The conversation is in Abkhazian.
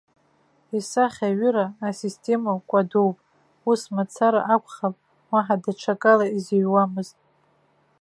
Исахьаҩыра асистема кәадоуп, ус мацара акәхап, уаҳа даҽакала изыҩуамызт.